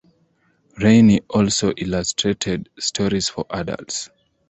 Rainey also illustrated stories for adults.